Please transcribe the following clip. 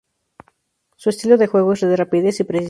Su estilo de juego es de rapidez y precisión.